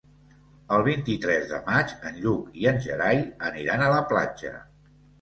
El vint-i-tres de maig en Lluc i en Gerai aniran a la platja.